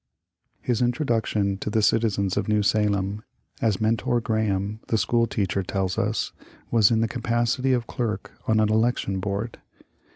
His introduction to the citizens of New Salem, as Mentor Graham* the school teacher tells us, was in the capacity of clerk of an election board.